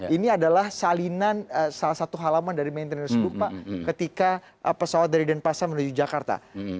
ini adalah salinan salah satu halaman dari maintenance book pak ketika pesawat dari denpasar menuju jakarta